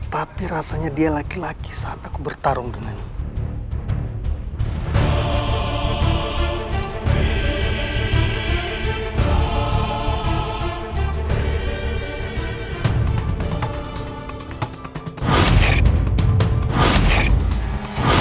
tapi rasanya dia laki laki saat aku bertarung dengan